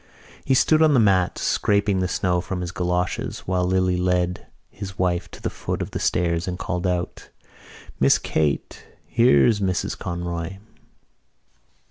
He stood on the mat, scraping the snow from his goloshes, while Lily led his wife to the foot of the stairs and called out: "Miss Kate, here's Mrs Conroy."